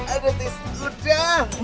aduh tis udah